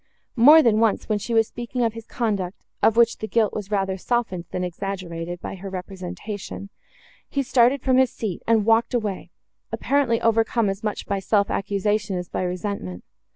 More than once, when she was speaking of his conduct, of which the guilt was rather softened, than exaggerated, by her representation, he started from his seat, and walked away, apparently overcome as much by self accusation as by resentment.